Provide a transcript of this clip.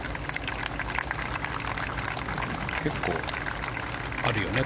結構あるよね。